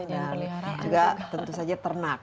dan juga tentu saja ternak